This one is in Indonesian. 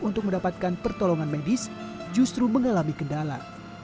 untuk mendapatkan pertolongan medis justru mengalami kendala